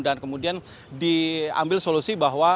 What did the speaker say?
dan kemudian diambil solusi bahwa